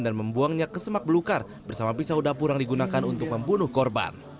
dan membuangnya ke semak belukar bersama pisau dapur yang digunakan untuk membunuh korban